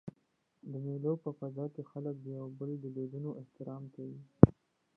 د مېلو په فضا کښي خلک د یو بل د دودونو احترام کوي.